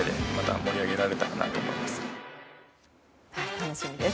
楽しみです。